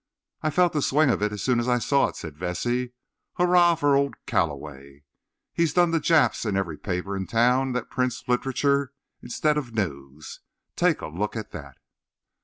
"I felt the swing of it as soon as I saw it," said Vesey. "Hurrah for old Calloway! He's done the Japs and every paper in town that prints literature instead of news. Take a look at that."